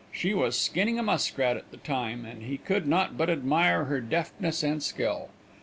She was skinning a muskrat at the time, and he could not but admire her deftness and skill.